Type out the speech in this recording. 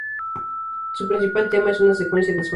Su principal tema es una secuencia de sueño.